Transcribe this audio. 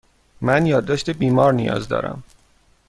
من یادداشت بیمار نیاز دارم.